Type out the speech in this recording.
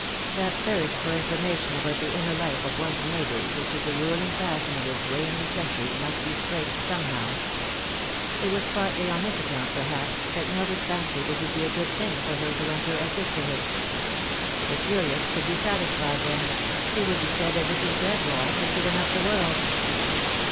That thirst for information about the inner life of one's neighbours which is the ruling passion of this waning century must be slaked some how. It was partly on this account, perhaps, that Mildred fancied it would be a good thing for her to enter a sisterhood. No Light. 175 The curious could be satisfied then. It would be said that Mrs. Greswold had given up the world.